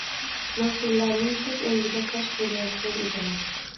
mas’ullarning ko‘z o‘ngida fosh bo‘layotgan edilar.